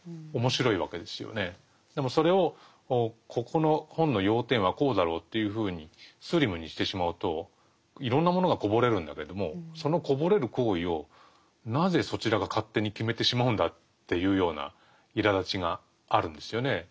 でもそれをここの本の要点はこうだろうというふうにスリムにしてしまうといろんなものがこぼれるんだけれどもそのこぼれる行為をなぜそちらが勝手に決めてしまうんだっていうようないらだちがあるんですよね。